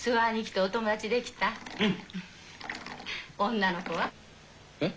女の子は？えっ？